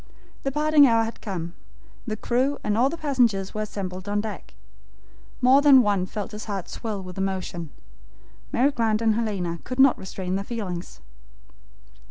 The parting hour had come. The crew and all the passengers were assembled on deck. More than one felt his heart swell with emotion. Mary Grant and Lady Helena could not restrain their feelings.